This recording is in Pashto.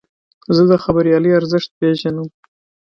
زه د خبریالۍ ارزښت پېژنم.